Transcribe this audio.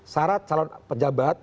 sarat calon pejabat